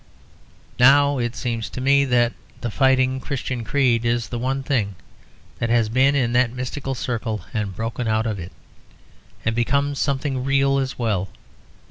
Now it seems to me that the fighting Christian creed is the one thing that has been in that mystical circle and broken out of it, and become something real as well.